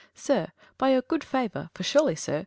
Fool. Sir, by your good favour, for surely, sir.